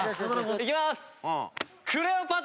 いきます。